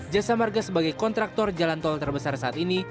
jasa marga sebagai kontraktor jalan tol terbesar saat ini